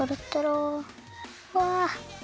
うわ。